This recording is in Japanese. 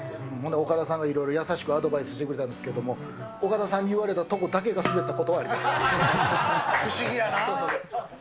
岡田さんが、いろいろ優しくアドバイスしてくれたんですけど、岡田さんに言われたところだけが不思議やな。